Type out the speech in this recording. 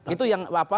itu yang apa